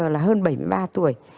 là hơn bảy mươi ba tuổi